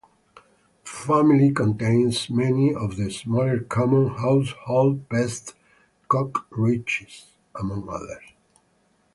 This family contains many of the smaller common household pest cockroaches, among others.